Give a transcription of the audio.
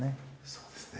そうですね。